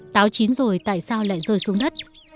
táo chín rồi tại sao lại rơi xuống đất